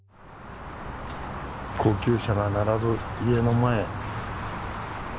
高級車が並ぶ家の前。